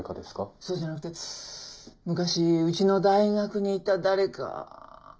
そうじゃなくて昔うちの大学にいた誰か。